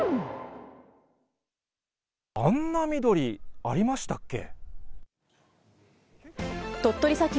あんな緑ありましたっけ。